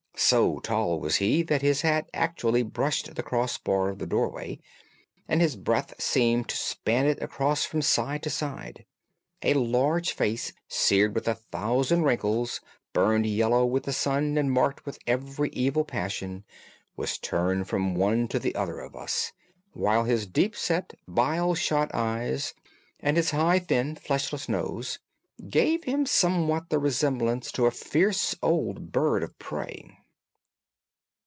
So tall was he that his hat actually brushed the cross bar of the doorway, and his breadth seemed to span it across from side to side. A large face, seared with a thousand wrinkles, burned yellow with the sun, and marked with every evil passion, was turned from one to the other of us, while his deep set, bile shot eyes, and his high, thin, fleshless nose, gave him somewhat the resemblance to a fierce old bird of prey.